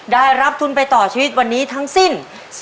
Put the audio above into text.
ได้รับทุนไปต่อชีวิตวันนี้ทั้งสิ้น